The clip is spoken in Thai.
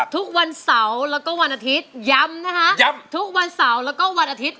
ทุกวันเสาร์แล้วก็วันอาทิตย้ำนะคะย้ำทุกวันเสาร์แล้วก็วันอาทิตย